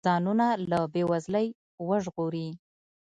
ځانونه له بې وزلۍ وژغوري.